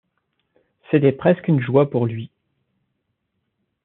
C’était presque une joie pour lui.